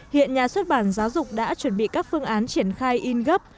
hiện nhà xuất bản giáo dục đã chuẩn bị các phương án triển khai in gấp